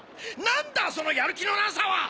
なんだそのやる気のなさは！